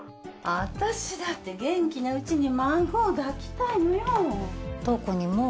私だって元気なうちに孫を抱きたいのよ